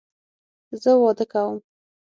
زه واده کوم